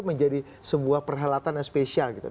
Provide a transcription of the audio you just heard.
menjadi sebuah perhelatan yang spesial gitu